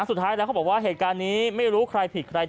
สุดท้ายแล้วเขาบอกว่าเหตุการณ์นี้ไม่รู้ใครผิดใคร